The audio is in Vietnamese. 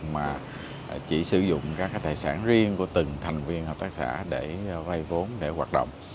mà chỉ sử dụng các tài sản riêng của từng thành viên hợp tác xã để vay vốn để hoạt động